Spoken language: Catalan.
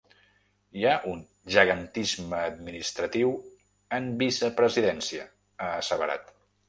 “Hi ha gegantisme administratiu en vicepresidència”, ha asseverat.